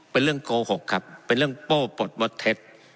เป็นเรื่องโกหกครับเป็นเรื่องโป้ปลดมดเท็จ